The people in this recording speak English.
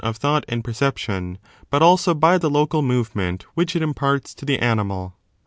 of thought and perception, but also by the local move ment which it imparts to the animal.